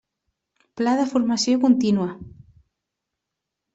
Pla de formació contínua.